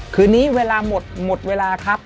คืนนี้เวลาหมดหมดเวลาครับ